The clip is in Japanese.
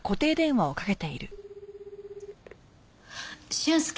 俊介？